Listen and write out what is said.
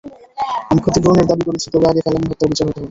আমি ক্ষতিপূরণের দাবি করেছি, তবে আগে ফেলানী হত্যার বিচার হতে হবে।